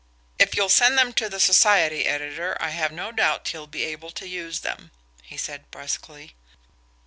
"If you'll send them to the society editor, I've no doubt he'll be able to use them," he said brusquely.